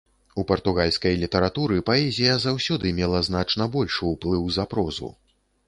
У партугальскай літаратуры паэзія заўсёды мела значна большы ўплыў за прозу.